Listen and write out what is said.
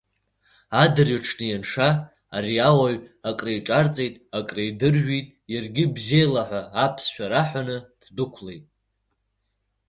Адырҩаҽны ианша, ари ауаҩ акры иҿарҵеит, акры идыржәит, иаргьы бзиала ҳәа аԥсшәа раҳәаны ддәықәлеит.